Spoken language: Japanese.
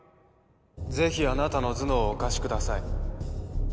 ・ぜひあなたの頭脳をお貸しください。